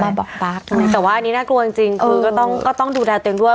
มาบอกปั๊กแต่ว่าอันนี้น่ากลัวจริงจริงคือก็ต้องก็ต้องดูแลตัวเองด้วย